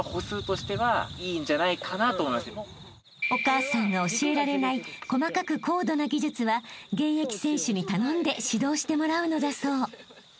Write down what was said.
［お母さんが教えられない細かく高度な技術は現役選手に頼んで指導してもらうのだそう］